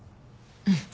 うん。